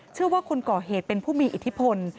เชื่อว่าคนก่อเหตุเป็นผู้มีอิทธิพล